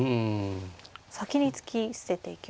先に突き捨てていきますね。